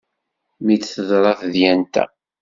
Mi d-teḍra tedyant-a.